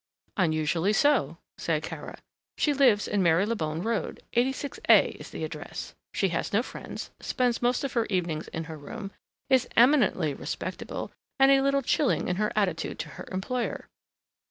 "Unusually so," said Kara. "She lives in Marylebone Road, 86a is the address. She has no friends, spends most of her evenings in her room, is eminently respectable and a little chilling in her attitude to her employer."